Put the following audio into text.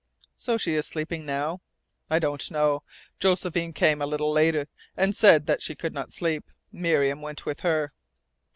"She is sleeping now?" "I don't know. Josephine came a little later and said that she could not sleep. Miriam went with her."